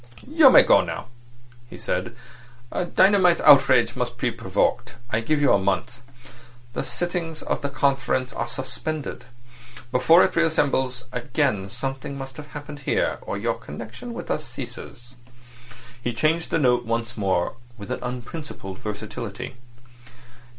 "You may go now," he said. "A dynamite outrage must be provoked. I give you a month. The sittings of the Conference are suspended. Before it reassembles again something must have happened here, or your connection with us ceases." He changed the note once more with an unprincipled versatility.